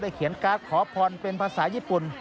เขียนการ์ดขอพรเป็นภาษาญี่ปุ่น